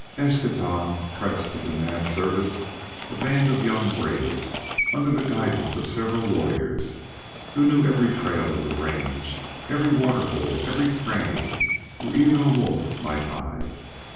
Eschtah pressed into Naab's service a band of young braves, under the guidance of several warriors who knew every trail of the range, every waterhole, every cranny where even a wolf might hide.